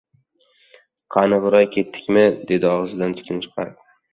Qani, giroy, ketdikmi? - dedi og'zidan tutun chiqarib.